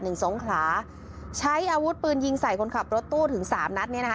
สงขลาใช้อาวุธปืนยิงใส่คนขับรถตู้ถึงสามนัดเนี่ยนะคะ